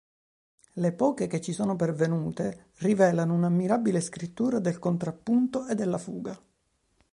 Le poche che ci sono pervenute rivelano un'ammirabile scrittura del contrappunto e della fuga.